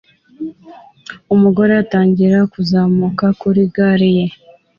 Umugore atangira kuzamuka kuri gare ye